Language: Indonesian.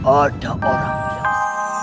ada orang biasa